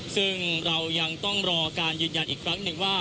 ซึ่งเรายังต้องรอการยืนยันอีกครั้งหนึ่งว่า